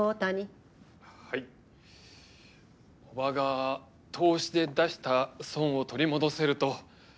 叔母が投資で出した損を取り戻せると。